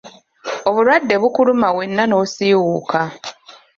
Obulwadde bukuluma wenna n'osiiwuuka.